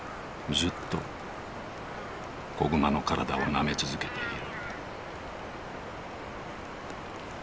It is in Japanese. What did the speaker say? ずっと子熊の体をなめ続けている。